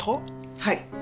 はい。